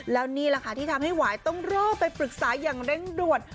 แล้วนี่แหละค่ะที่ทำให้หวายต้องรอไปปรึกษาอย่างเร่งด่วน